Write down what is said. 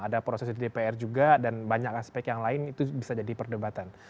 ada proses di dpr juga dan banyak aspek yang lain itu bisa jadi perdebatan